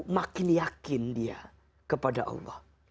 maka dia berharapkan rahmat kasih sayang allah